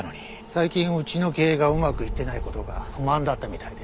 最近うちの経営がうまくいってない事が不満だったみたいで。